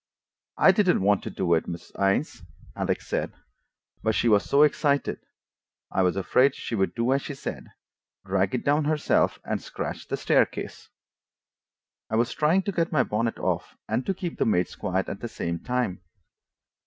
"I didn't want to do it, Miss Innes," Alex said. "But she was so excited, I was afraid she would do as she said—drag it down herself, and scratch the staircase." I was trying to get my bonnet off and to keep the maids quiet at the same time.